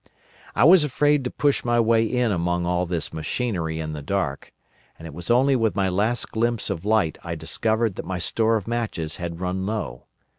"I was afraid to push my way in among all this machinery in the dark, and it was only with my last glimpse of light I discovered that my store of matches had run low.